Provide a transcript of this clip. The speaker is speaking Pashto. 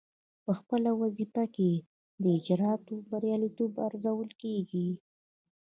پخپله وظیفه کې د اجرااتو بریالیتوب ارزول کیږي.